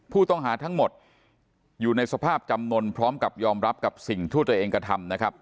ผู้ต้องหาทั้งหมดอยู่ในสภาพจำนวนพร้อมกับยอมรับกับสิ่งที่ตัวเองกระทำนะครับ